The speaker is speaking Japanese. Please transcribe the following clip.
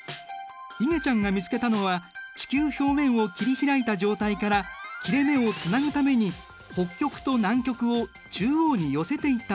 いげちゃんが見つけたのは地球表面を切り開いた状態から切れ目をつなぐために北極と南極を中央に寄せていったもの。